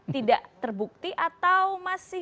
tidak terbukti atau masih